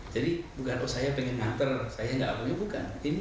jadi bukan oh saya ingin mengantar saya enggak mau bukan